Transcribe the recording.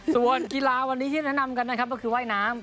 ส่วนกีฬาวันนี้ที่แนะนำกันนะครับก็คือว่ายน้ำ